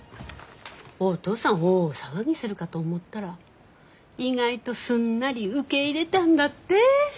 おとうさん大騒ぎするかと思ったら意外とすんなり受け入れたんだって？